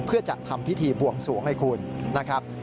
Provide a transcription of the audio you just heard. เพื่อจัดทำพิธีบวงสวงให้คุณนะครับ